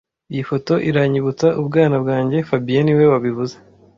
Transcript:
Iyi foto iranyibutsa ubwana bwanjye fabien niwe wabivuze